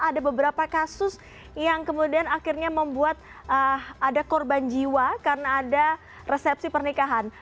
ada beberapa kasus yang kemudian akhirnya membuat ada korban jiwa karena ada resepsi pernikahan